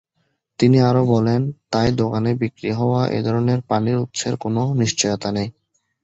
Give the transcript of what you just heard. তিনি আরও বলেন,'তাই দোকানে বিক্রি হওয়া এ-ধরনের পানির উৎসের কোন নিশ্চয়তা নেই।